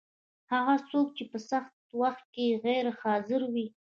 هغه څوک چې په سخت وخت کي غیر حاضر وي